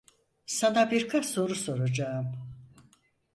Sana birkaç soru soracağım.